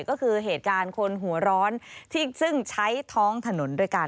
ก็คือเหตุการณ์คนหัวร้อนซึ่งใช้ท้องถนนด้วยกัน